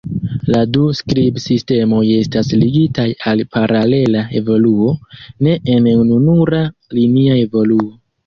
La du skribsistemoj estas ligitaj al paralela evoluo, ne en ununura linia evoluo.